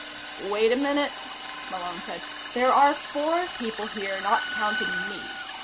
"Wait a minute?" Malone said. "There are four people here, not counting me.